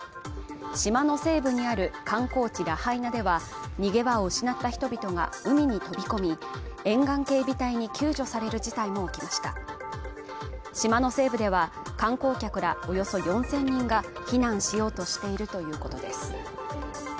島の西部にある観光地ラハイナでは逃げ場を失った人々が海に飛び込み沿岸警備隊に救助される事態も起きました島の西部では観光客らおよそ４０００人が避難しようとしているということです